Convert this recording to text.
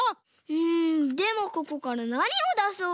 うんでもここからなにをだそう？